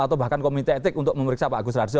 atau bahkan komite etik untuk memeriksa pak agus raharjo